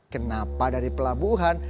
kenapa dari pelabuhan